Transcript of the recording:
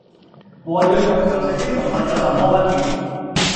和弱肉強食的動物有什麼分別